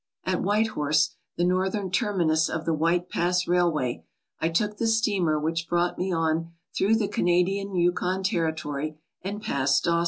At White Horse, the northern terminus of the White Pass Railway, I took the steamer which brought me on through the Canadian Yukon Territory and past Dawson.